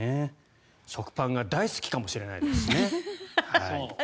食パンが大好きかもしれないですしね。